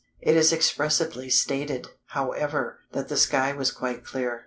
It is expressly stated, however, that the sky was quite clear.